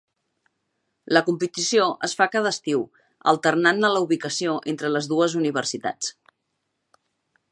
La competició es fa cada estiu, alternant-ne la ubicació entre les dues universitats.